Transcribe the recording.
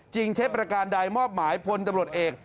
จึงเทประการใดมอบหมายพนธ์ตำรวจเอก